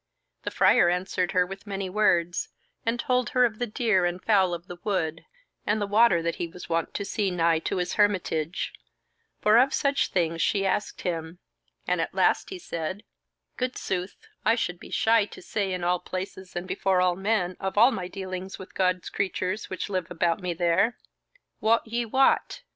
The Friar answered her with many words, and told her of the deer and fowl of the wood and the water that he was wont to see nigh to his hermitage; for of such things she asked him, and at last he said: "Good sooth, I should be shy to say in all places and before all men of all my dealings with God's creatures which live about me there. Wot ye what?